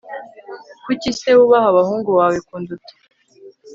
kuki se wubaha abahungu bawe kunduta